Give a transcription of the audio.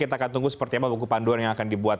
kita akan tunggu seperti apa buku panduan yang akan dibuat